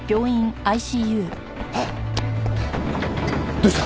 どうした！？